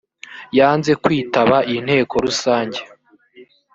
yanze kwitaba inteko rusange